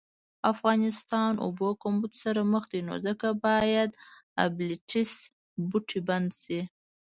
افغانستان اوبو کمبود سره مخ دي نو ځکه باید ابلیټس بوټی بند شي